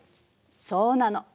そうなの。